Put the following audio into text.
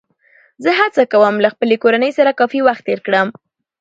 زه هڅه کوم له خپلې کورنۍ سره کافي وخت تېر کړم